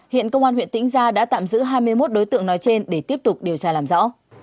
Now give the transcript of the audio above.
hiện công an huyện tĩnh gia đã tạm giữ hai mươi một đối tượng nói trên để tiếp tục điều tra làm rõ